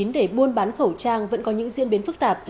để buôn bán khẩu trang vẫn có những diễn biến phức tạp